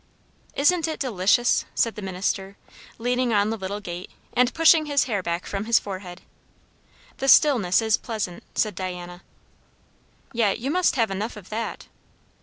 "Isn't it delicious?" said the minister, leaning on the little gate, and pushing his hair back from his forehead. "The stillness is pleasant," said Diana. "Yet you must have enough of that?"